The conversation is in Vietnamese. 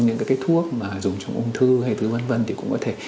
những cái thuốc mà dùng trong ung thư hay túi v v thì cũng có thể